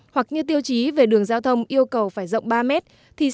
hoặc như tiêu chí về đường giao thông yêu cầu phải rộng ba mét